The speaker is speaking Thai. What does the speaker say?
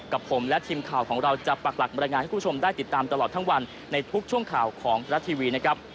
กับผมและทีมข่าวของเราจะปักหลักบรรยายงานให้คุณผู้ชมได้ติดตามตลอดทั้งวันในทุกช่วงข่าวของทรัฐทีวีนะครับ